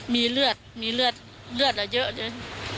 มีเลือดมีเลือดเลือดอะเยอะเลย